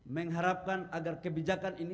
mengharapkan agar kebijakan ini